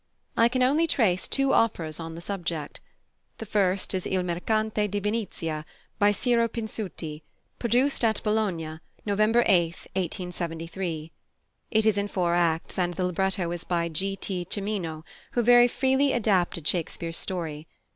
I can only trace two operas on the subject. The first is Il Mercante di Venezia, by +Ciro Pinsuti+, produced at Bologna, November 8, 1873. It is in four acts, and the libretto is by G. T. Cimino, who very freely adapted Shakespeare's story.